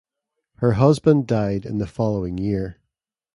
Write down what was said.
Her husband died in the following year.